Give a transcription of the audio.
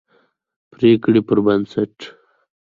پرېکړې پربنسټ